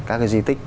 các cái di tích